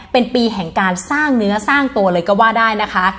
เป็นปีแห่งการสร้างเนื้อสร้างตัวเลยก็ว่าได้นะคะ